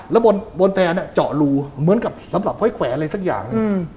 แล้วบนแตนเจาะรูเหมือนกับสำหรับห้อยแขวนอะไรสักอย่างหนึ่ง